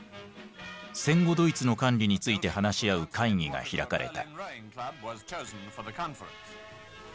戦後ドイツの管理について話し合う会議が開かれた。